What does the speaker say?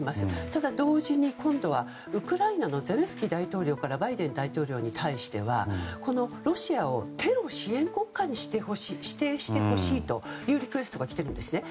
ただ同時に今度はウクライナのゼレンスキー大統領からバイデン大統領に対してはロシアをテロ支援国家に指定してほしいというリクエストが来ているんですね。